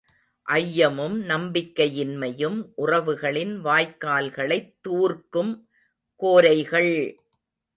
ஐயமும் நம்பிக்கையின்மையும் உறவுகளின் வாய்க்கால்களைத் தூர்க்கும் கோரைகள்!